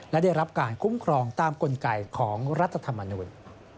และได้รับการคุ้มครองตามกลไกของรัฐธรรมนูล